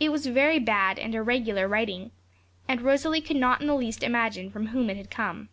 It was very bad and irregular writing, and Rosalie could not in the least imagine from whom it had come.